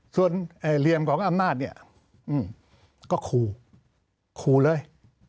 ส่วนเหลี่ยมของอำนาจก็คูลคูลเลย